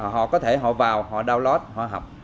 họ có thể họ vào họ download họ học